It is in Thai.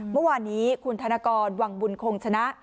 เมื่อวานนี้คุณธนกรวังบุญคงชนะ